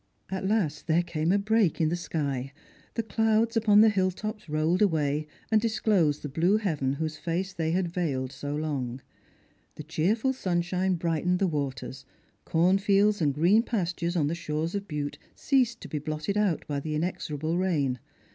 At last there came a break in the sky ; the clouds upon the l>Ul top3 rolled away, and disclosed the blue heaven whose face Strangers and Pilgrims. 301 they had veiled so long ; the cheerful sunshine brightened tho waters; cornfields and green pastures on the shores of Bute ceased to be blotted out by the inexorable rain.